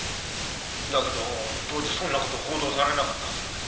だけど当時そんな事報道されなかったはずだけど。